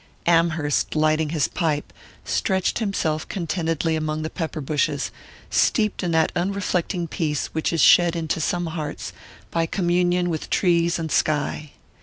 Amherst, lighting his pipe, stretched himself contentedly among the pepper bushes, steeped in that unreflecting peace which is shed into some hearts by communion with trees and sky.